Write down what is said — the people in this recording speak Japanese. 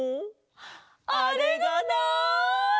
あれがない！